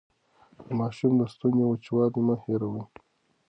د ماشوم د ستوني وچوالی مه هېروئ.